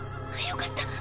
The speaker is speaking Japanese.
よかった。